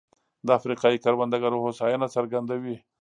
د افریقايي کروندګرو هوساینه څرګندوي.